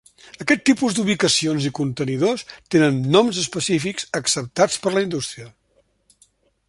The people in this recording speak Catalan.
Aquest tipus d'ubicacions i contenidors tenen noms específics acceptats per la industria.